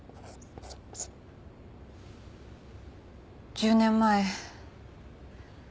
１０年前。